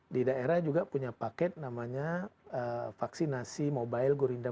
di daerah juga punya paket namanya vaksinasi mobile gorindam dua belas